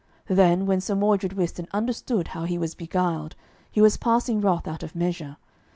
Then when Sir Mordred wist and understood how he was beguiled, he was passing wroth out of measure.